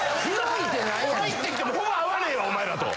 入ってきてもほぼ会わねわお前らと。